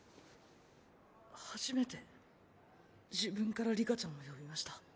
初めて自分から里香ちゃんを呼びました。